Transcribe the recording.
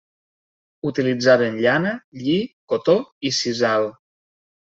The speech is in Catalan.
Utilitzaven llana, lli, cotó i sisal.